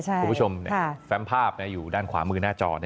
คุณผู้ชมแฟมภาพอยู่ด้านขวามือหน้าจอ